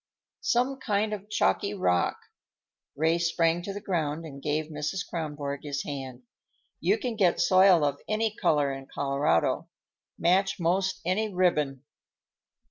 "Some kind of chalky rock." Ray sprang to the ground and gave Mrs. Kronborg his hand. "You can get soil of any color in Colorado; match most any ribbon."